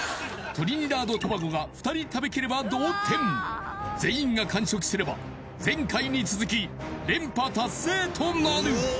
トリニダード・トバゴが２人食べきれば同点全員が完食すれば前回に続き連覇達成となる